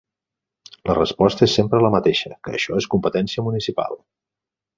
La resposta és sempre la mateixa: que això és competència municipal.